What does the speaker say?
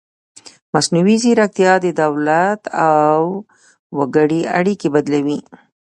مصنوعي ځیرکتیا د دولت او وګړي اړیکه بدلوي.